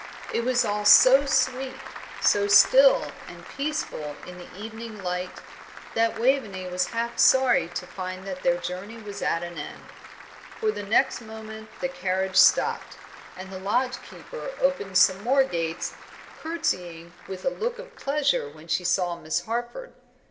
It was all so sweet, so still, and peaceful, in the evening light, that Waveney was half sorry to find that their journey was at an end; for the next moment the carriage stopped, and the lodge keeper opened some more gates, curtsying with a look of pleasure when she saw Miss Harford.